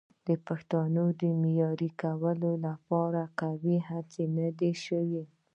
د پښتو د معیاري کولو لپاره قوي هڅې نه دي شوي.